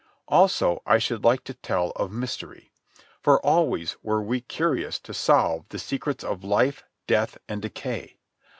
Also, I should like to tell of Mystery. For always were we curious to solve the secrets of life, death, and decay.